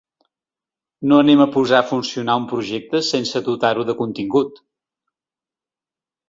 No anem a posar a funcionar un projecte sense dotar-ho de contingut.